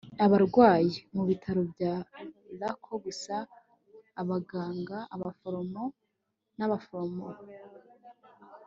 abarwayi. mubitaro bya lacor gusa abaganga, abaforomo nabaforomo